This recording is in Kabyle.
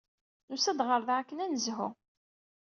Nusa-d ɣer da akken ad nezhu.